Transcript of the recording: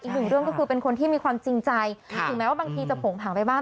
อีกหนึ่งเรื่องก็คือเป็นคนที่มีความจริงใจถึงแม้ว่าบางทีจะโผงผังไปบ้าง